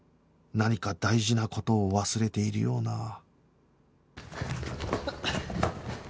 何か大事な事を忘れているような